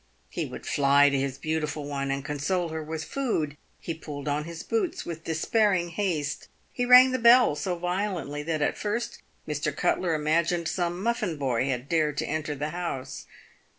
He would fly to his beautiful one, and console her with food. He pulled on his boots with de spairing haste ; he rang the bell so violently that at first Mr. Cutler imagined some muffin boy had dared to enter the house.